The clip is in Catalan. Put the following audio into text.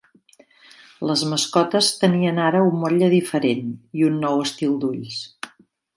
Les mascotes tenien ara un motlle diferent i un nou estil d'ulls.